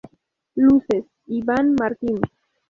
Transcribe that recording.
Luces: Iván Martín.